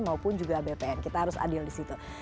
maupun juga bpn kita harus adil disitu